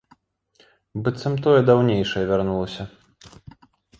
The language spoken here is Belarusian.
Быццам тое даўнейшае вярнулася.